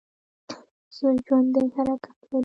ژوندي حرکت لري